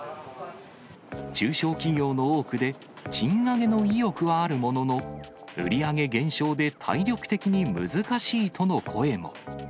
中小企業の多くで賃上げの意欲はあるものの、売り上げ減少で体力的に難しいとの声も。